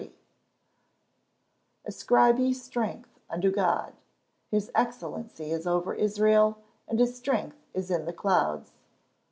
[Verse: "Ascribe ye strength unto God: his excellency is over Israel, and his strength is in the clouds."